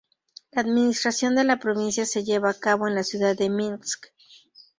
La administración de la provincia se lleva a cabo en la ciudad de Minsk.